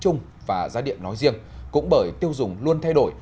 các cơ cấu biểu giá năng lượng nói chung và giá điện nói riêng cũng bởi tiêu dùng luôn thay đổi